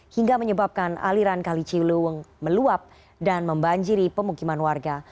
hingga menyebabkan aliran kali ciliwung meluap dan membanjiri pemukiman warga